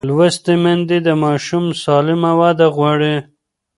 لوستې میندې د ماشوم سالمه وده غواړي.